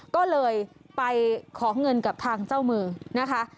ก็เลยไปขอเงินกับทางเจ้ามือนะคะ